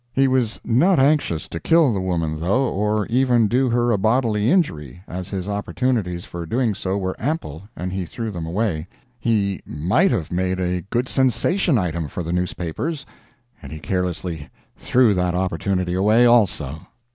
He was not anxious to kill the woman, though, or even do her a bodily injury, as his opportunities for doing so were ample, and he threw them away. He might have made a good sensation item for the newspapers, and he carelessly threw that opportunity away also.